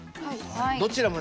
どちらもね